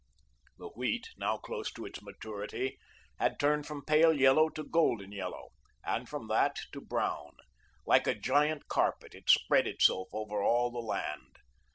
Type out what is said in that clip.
The wheat, now close to its maturity, had turned from pale yellow to golden yellow, and from that to brown. Like a gigantic carpet, it spread itself over all the land.